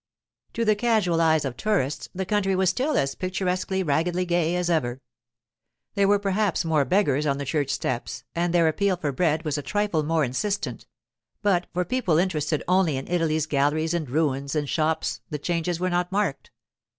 To the casual eyes of tourists the country was still as picturesquely, raggedly gay as ever. There were perhaps more beggars on the church steps, and their appeal for bread was a trifle more insistent; but for people interested only in Italy's galleries and ruins and shops the changes were not marked.